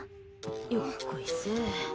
よっこいせ。